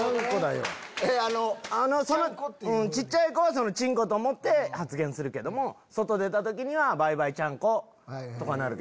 小っちゃい子はちんこと思って発言するけども外出た時には「バイバイちゃんこ」とか。